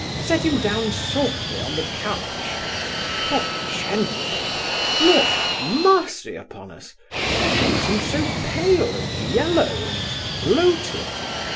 Set him down softly on the couch poor gentlemen! Lord have mercy upon us! What makes him so pale, and yellow, and bloated?